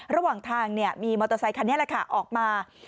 ระหว่างทางมีมอเตอร์ไซคันนี้แหละค่ะออกมา